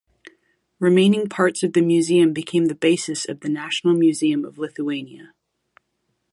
Remaining parts of the museum became the basis of the National Museum of Lithuania.